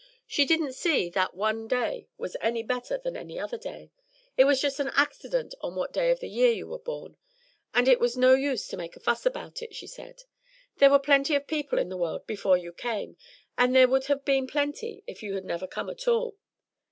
She didn't see that one day was any better than any other day. It was just an accident on what day of the year you were born, and it was no use to make a fuss about it, she said. There were plenty of people in the world before you came, and there would have been plenty if you had never come at all.